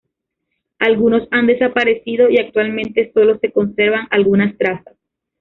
Algunos han desaparecido y actualmente solo se conservan algunas trazas.